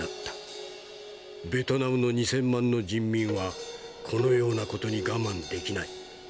ベトナムの２，０００万の人民はこのような事に我慢できない。